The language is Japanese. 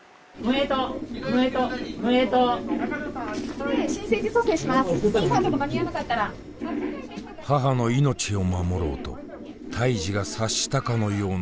母の命を守ろうと胎児が察したかのような想定外の陣痛。